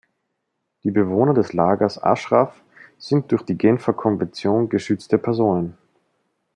Die Bewohner des Lagers Ashraf sind durch die Genfer Konvention geschützte Personen.